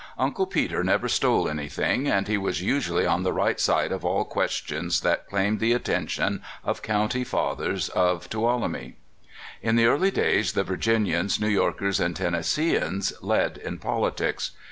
Uncle Peter never stole anything, and he was usually on the right side oi all questions that (255) 256 CALIFORNIA SKETCHES. claimed the attention of county fathers of Tuo lumne. In the early days the Virginians, New Yorkers, and Tennesseeans led in politics.